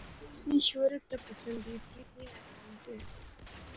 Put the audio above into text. او اس نی شہرت تہ پسندیدگی تھی حیران سے